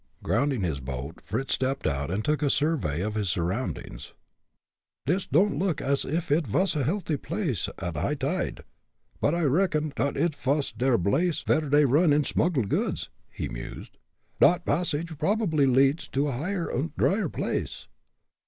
Grounding his boat, Fritz stepped out and took a survey of his surroundings. "Dis don'd look ash if id vas a healthy blace at high tide, but I reckon dot id vas der blace vere dey run in smuggled goods," he mused. "Dot passage probably leads to a higher und dryer place."